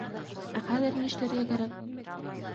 — Ә хәҙер ни эшләргә кәрәк?